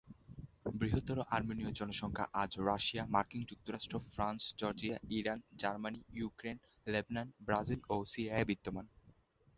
বৃহত্তম আর্মেনীয় জনসংখ্যা আজ রাশিয়া, মার্কিন যুক্তরাষ্ট্র, France, Georgia, Iran, Germany, Ukraine, Lebanon, Brazil ও সিরিয়ায় বিদ্যমান।